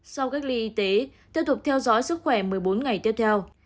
sau cách ly y tế tiếp tục theo dõi sức khỏe một mươi bốn ngày tiếp theo